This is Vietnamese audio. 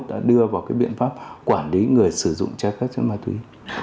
đã đưa vào cái biện pháp quản lý người sử dụng trái phép chất ma túy